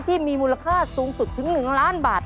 ที่มีมูลค่าสูงสุดถึง๑ล้านบาท